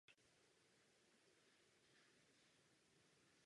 Stále tvrdím, že zmíněná velikost je největší v celém regionu.